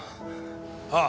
ああ。